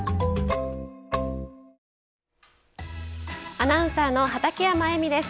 アナウンサーの畠山衣美です。